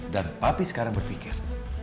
dan papi sekarang berpikir